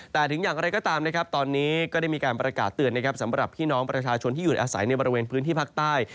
แต่ถึงอย่างไรก็ตามนะครับตอนนี้ก็ได้มีการประกาศเตือนนะครับสำหรับพี่น้องประชาชนที่อยู่อาศัยในบริเวณพื้นที่ภาคใต้